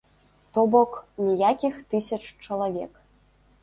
То бок, ніякіх тысяч чалавек.